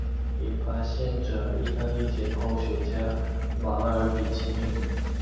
以发现者意大利解剖学家马尔比基命名。